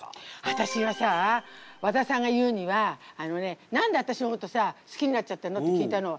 わたしはさ和田さんが言うにはあのね「何でわたしのことさ好きになっちゃったの？」って聞いたの。